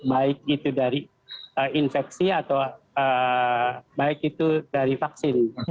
baik itu dari infeksi atau baik itu dari vaksin